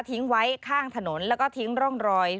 ทิ้งไว้ข้างถนนแล้วก็ทิ้งร่องรอย